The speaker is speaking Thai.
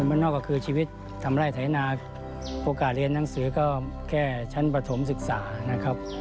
บ้านนอกก็คือชีวิตทำไร่ไถนาโอกาสเรียนหนังสือก็แค่ชั้นประถมศึกษานะครับ